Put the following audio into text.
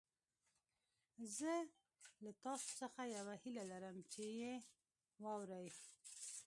زه له تاسو څخه يوه هيله لرم چې يې واورئ.